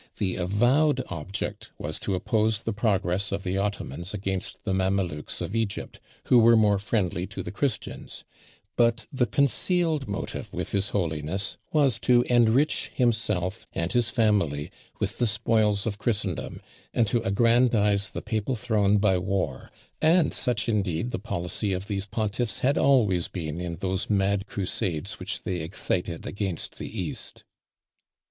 The avowed object was to oppose the progress of the Ottomans against the Mamelukes of Egypt, who were more friendly to the Christians; but the concealed motive with his holiness was to enrich himself and his family with the spoils of Christendom, and to aggrandise the papal throne by war; and such, indeed, the policy of these pontiffs had always been in those mad crusades which they excited against the East.